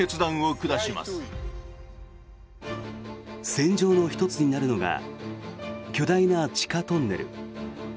戦場の１つになるのが巨大な地下トンネル。